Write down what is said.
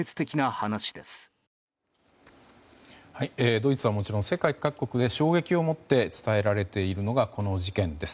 ドイツはもちろん世界各国で衝撃を持って伝えられているのがこの事件です。